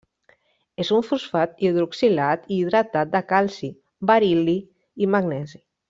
És un fosfat hidroxilat i hidratat de calci, beril·li i magnesi.